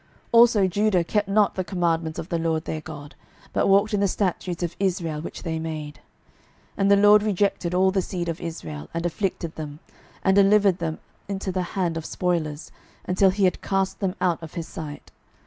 12:017:019 Also Judah kept not the commandments of the LORD their God, but walked in the statutes of Israel which they made. 12:017:020 And the LORD rejected all the seed of Israel, and afflicted them, and delivered them into the hand of spoilers, until he had cast them out of his sight.